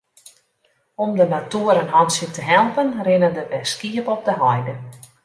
Om de natoer in hantsje te helpen rinne der wer skiep op de heide.